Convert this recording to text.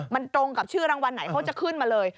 มันตรงกับชื่อรางวัลไหนเขาจะขึ้นมาเลย